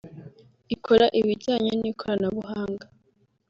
ikora ibijyanye n’ikoranabuhanga